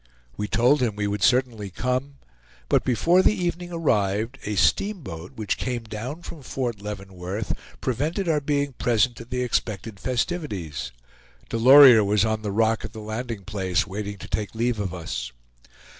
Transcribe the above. We told him we would certainly come, but before the evening arrived a steamboat, which came down from Fort Leavenworth, prevented our being present at the expected festivities. Delorier was on the rock at the landing place, waiting to take leave of us.